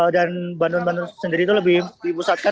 dan bantuan bantuan sendiri itu lebih dibusatkan